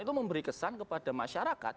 itu memberi kesan kepada masyarakat